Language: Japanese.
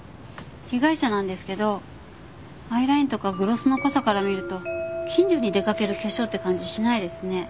被害者なんですけどアイラインとかグロスの濃さから見ると近所に出かける化粧って感じしないですね。